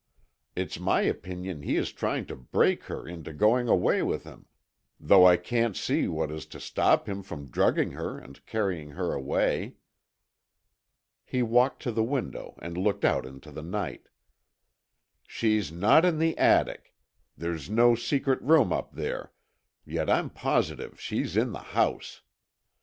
It's my opinion he is trying to break her into going away with him, though I can't see what is to stop him from drugging her and carrying her away." He walked to the window and looked out into the night. "She's not in the attic. There's no secret room up there; yet I'm positive she's in the house.